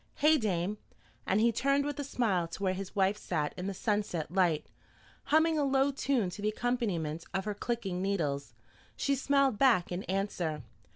Hey, dame?" And he turned with a smile to where his wife sat in the sunset light, humming a low tune to the accompaniment of her clicking needles. She smiled back in answer.